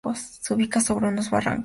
Se ubica sobre unos barrancos.